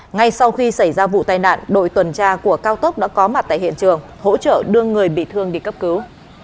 ngay sau khi xảy ra vụ tai nạn đội tuần tra của cao tốc đã có mặt tại hiện trường hỗ trợ đưa người bị thương đi cấp cứu